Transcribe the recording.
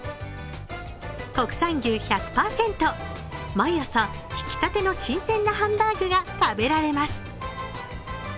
国産牛１００％、毎朝ひきたての新鮮なハンバーグが食べられます。